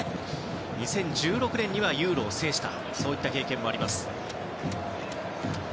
２０１６年にはＥＵＲＯを制したそういった経験もあります。